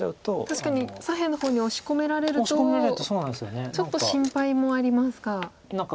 確かに左辺の方に押し込められるとちょっと心配もありますか。